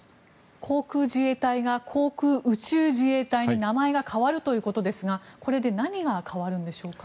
航空自衛隊が航空宇宙自衛隊に名前が変わるということですがこれで何が変わるんでしょうか。